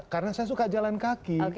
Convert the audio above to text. karena saya suka jalan kaki